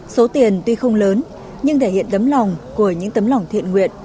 số tiền tuy không lớn nhưng thể hiện tấm lòng của những tấm lòng thiện nguyện